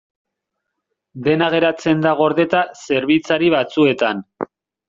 Dena geratzen da gordeta zerbitzari batzuetan.